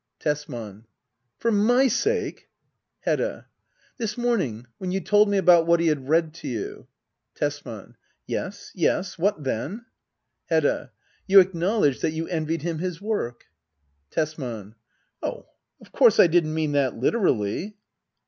Tesman. For my sake ! Hedda. This mornings when you told me about what he had read to you Tesman. Yes yes — what then ? Hedda. You acknowledged that you envied him his work. Tesman. Oh, of course I didn't mean that literally.